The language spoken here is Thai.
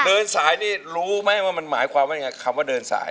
เดินสายนี่รู้ไหมว่ามันหมายความว่ายังไงคำว่าเดินสาย